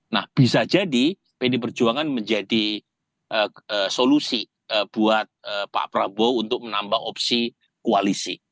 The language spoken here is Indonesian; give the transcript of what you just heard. nah bisa jadi pdi perjuangan menjadi solusi buat pak prabowo untuk menambah opsi koalisi